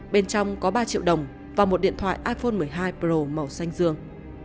bên trong có ba triệu đồng và một điện thoại iphone một mươi hai pro màu xanh dương